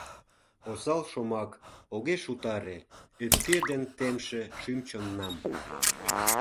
Осал шомак огеш утаре Ӧпке ден темше шӱм-чоннам.